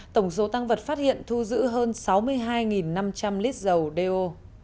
tổng số tăng vật phát hiện thu giữ hơn sáu mươi hai năm trăm linh lít dầu do